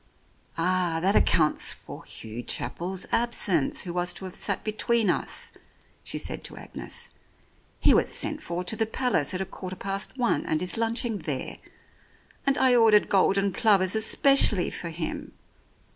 "Ah, that accounts for Hugh Chapel's absence, who was to have sat between us," she said to Agnes. "He was sent for to the Palace at a quarter past one and is lunching there. And I ordered golden plovers especially for him.